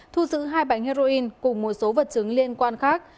thu giữ hai bánh heroin cùng một số vật chứng liên quan khác